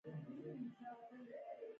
د مادې درې اساسي حالتونه شته.